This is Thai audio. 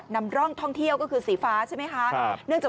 นำร่องท่องเที่ยวก็คือสีฟ้าใช่ไหมคะ